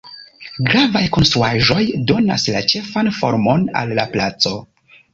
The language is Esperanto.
Gravaj konstruaĵoj donas la ĉefan formon al la placo.